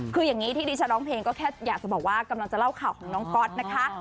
คืออย่างนี้ที่ดิฉันร้องเพลงก็แค่อยากจะบอกว่ากำลังจะเล่าข่าวของน้องก๊อตนะคะ